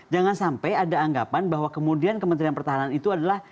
jangan sampai ada anggapan bahwa kemudian kementerian pertahanan itu adalah